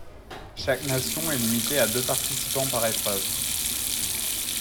Chaque nation est limitée à deux participants par épreuve.